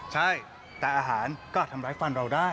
ใช่แต่อาหารก็อาจทำร้ายฟันเราได้